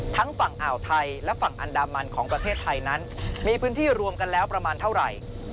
ฝั่งอ่าวไทยและฝั่งอันดามันของประเทศไทยนั้นมีพื้นที่รวมกันแล้วประมาณเท่าไหร่